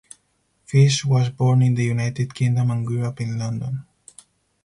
Fish was born in the United Kingdom and grew up in London.